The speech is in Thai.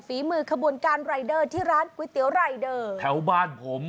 ฝีมือขบวนการรายเดอร์ที่ร้านก๋วยเตี๋ยวรายเดอร์แถวบ้านผม